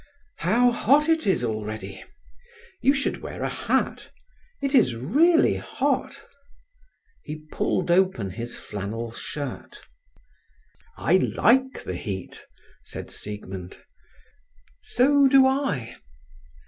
How hot it is already! You should wear a hat. It is really hot." He pulled open his flannel shirt. "I like the heat," said Siegmund. "So do I."